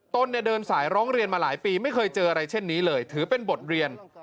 เดินสายร้องเรียนมาหลายปีไม่เคยเจออะไรเช่นนี้เลยถือเป็นบทเรียน